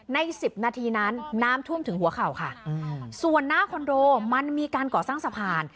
สิบนาทีนั้นน้ำท่วมถึงหัวเข่าค่ะส่วนหน้าคอนโดมันมีการก่อสร้างสะพาน